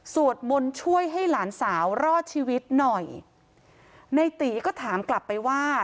มนต์ช่วยให้หลานสาวรอดชีวิตหน่อยในตีก็ถามกลับไปว่า